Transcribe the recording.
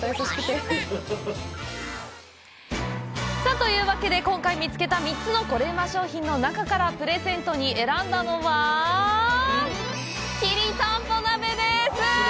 というわけで、今回見つけた３つのコレうま商品の中からプレゼントに選んだのはきりたんぽ鍋です！